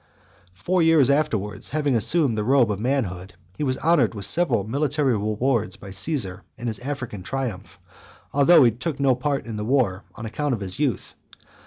Four years afterwards, having assumed the robe of manhood, he was honoured with several military rewards by Caesar in his African triumph, although he took no part in the war, on account of his youth.